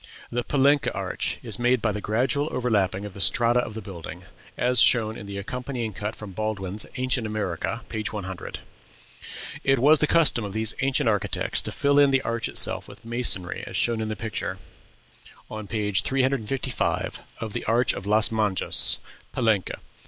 The Palenque arch is made by the gradual overlapping of the strata of the building, as shown in the accompanying cut from Baldwin's "Ancient America," page 100. It was the custom of these ancient architects to fill in the arch itself with masonry, as shown in the picture ARCH OF LAS MONJAS, PALENQUE, CENTRAL AMERICA on page 355 of the Arch of Las Monjas, Palenque.